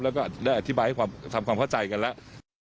แล้วก็ได้อธิบายให้ทำความเข้าใจกันแล้ว